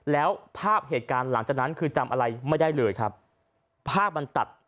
แล้วภาพเหตุการณ์หลังจากนั้นคือจำอะไรไม่ได้เลยครับภาพมันตัด